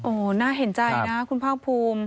โอ้โหน่าเห็นใจนะคุณภาคภูมิ